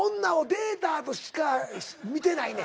データとして見てないからね